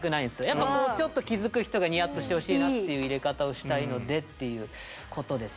やっぱこうちょっと気付く人がニヤッとしてほしいなっていう入れ方をしたいのでっていうことですね。